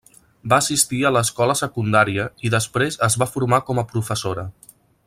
Va assistir a l'escola secundària i després es va formar com a professora.